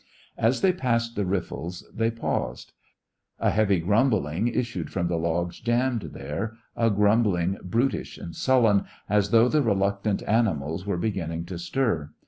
As they passed the riffles they paused. A heavy grumbling issued from the logs jammed there, a grumbling brutish and sullen, as though the reluctant animals were beginning to stir.